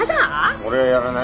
俺はやらない。